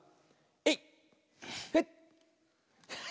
えい！